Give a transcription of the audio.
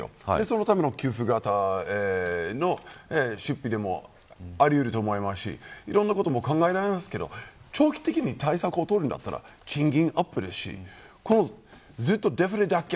そのための給付型の出費でもありうると思いますしいろんなことが考えられますが長期的に対策をとるんだったら賃金アップですしずっとデフレ脱却